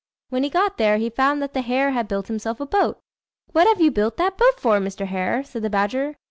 When he got there, he found that the hare had built himself a boat. "What have you built that boat for, Mr. Hare?" said the badger.